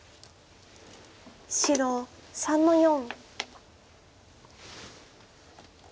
白３の四。